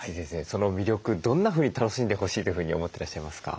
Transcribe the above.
その魅力どんなふうに楽しんでほしいというふうに思ってらっしゃいますか？